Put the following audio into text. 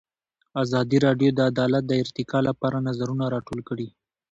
ازادي راډیو د عدالت د ارتقا لپاره نظرونه راټول کړي.